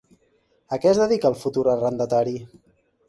A què es dedica el futur arrendatari?